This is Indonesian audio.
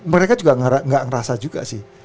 mereka juga nggak ngerasa juga sih